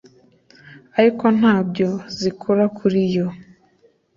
ariko nta ndabyo zikura kuri yo.